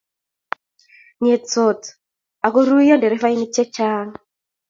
ngetsot ago ruiyo nderefainik chechang